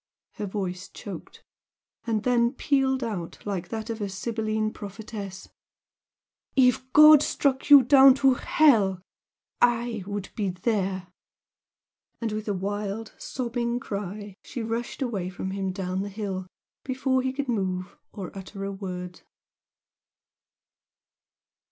her voice choked, and then pealed out like that of a Sybilline prophetess, "If God struck you down to hell, I would be there!" And with a wild, sobbing cry she rushed away from him down the hill before he could move or utter a word.